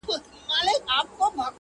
او تر سپين لاس يې يو تور ساعت راتاو دی,